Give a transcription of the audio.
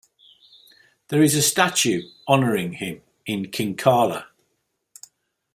There is a statue honoring him in Kinkala.